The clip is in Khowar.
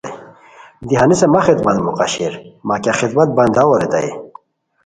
دی ہنیسے مہ خدمتو موقع شیر، مہ کیہ خدمت بنداوے ریتائے